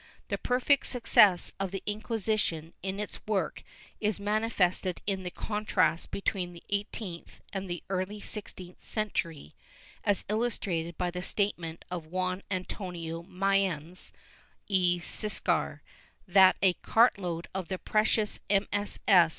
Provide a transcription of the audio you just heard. ^ The perfect success of the Inquisition in its work is manifested in the contrast between the eighteenth and the early sixteenth century, as illustrated by the statement of Juan Antonio Mayans y Siscar, that a cartload of the precious MSS.